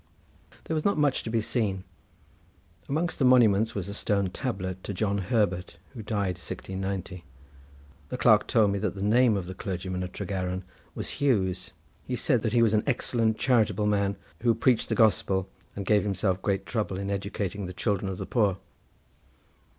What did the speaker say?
There was not much to be seen. Amongst the monuments was a stone tablet to John Herbert, who died 1690. The clerk told me that the name of the clergyman of Tregaron was Hughes; he said that he was an excellent charitable man, who preached the Gospel, and gave himself great trouble in educating the children of the poor.